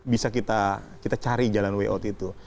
bisa kita cari jalan way out itu